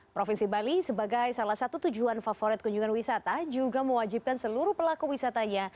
provinsi bali sebagai salah satu tujuan favorit kunjungan wisata juga mewajibkan seluruh pelaku wisatanya